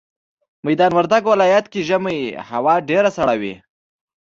ميدان وردګ ولايت کي ژمي هوا ډيره سړه وي